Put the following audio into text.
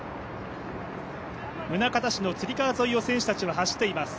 宗像市の釣川沿いを選手たちが走っています。